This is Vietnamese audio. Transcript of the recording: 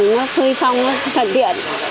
nó khơi phong phần điện